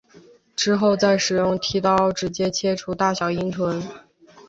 之后再使用剃刀直接切除大小阴唇。